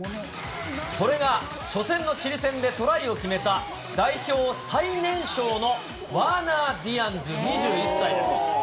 それが初戦のチリ戦でトライを決めた代表最年少のワーナー・ディアンズ２１歳です。